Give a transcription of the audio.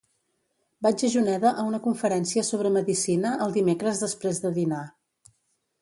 Vaig a Juneda a una conferència sobre medicina el dimecres després de dinar.